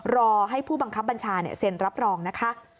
รอให้ผู้บังคับบัญชาเซ็นรับรองนะคะ